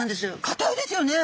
かたいですよね。